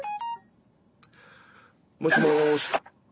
もしもし。